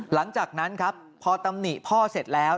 หลังจากนั้นครับพอตำหนิพ่อเสร็จแล้ว